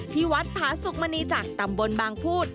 ที่วัดพระศุกร์มณีจักรตำบลบางพุทธ